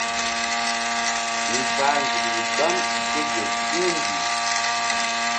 Mi vah nzukri gbam ké gel ti̧hmbih.